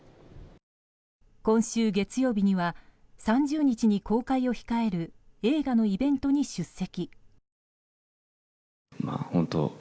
今週月曜日には３０日に公開を控える映画のイベントに出席。